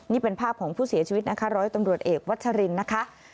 นี่เป็นภาพของผู้เสียชีวิตนะคะร้อยตำรวจเอกวัชรินนะคะ